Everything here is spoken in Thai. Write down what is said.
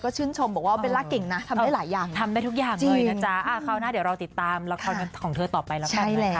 ก็ดูไม่ค่อยเขละแต่แบบออกอาการไม่ค่อยถูก